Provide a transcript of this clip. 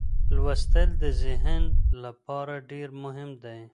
لوستل د ذهن لپاره ډېر مهم دي.